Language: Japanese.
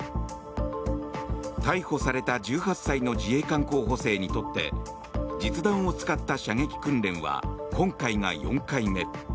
逮捕された１８歳の自衛官候補生にとって実弾を使った射撃訓練は今回が４回目。